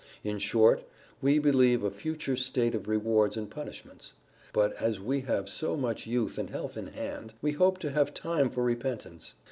In short, we believe a future state of rewards and punishments. But as we have so much youth and health in hand, we hope to have time for repentance.